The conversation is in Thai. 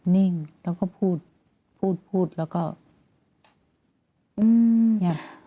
นิ่งแล้วก็พูดพูดพูดแล้วก็เงียบ